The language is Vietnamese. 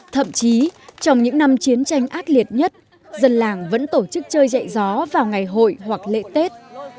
thậm chí trong những năm chiến tranh ác liệt nhất dân làng vẫn tổ chức chơi dậy gió vào ngày hội hoặc lễ tết